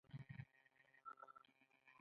د انرژۍ ټول مقدار ثابت وي.